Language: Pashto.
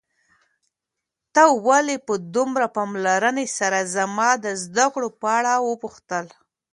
تا ولې په دومره پاملرنې سره زما د زده کړو په اړه وپوښتل؟